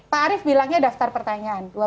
pak arief bilangnya daftar pertanyaan